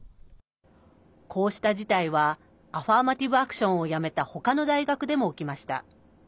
こうした事態はアファーマティブ・アクションをやめた他の大学でも起きました。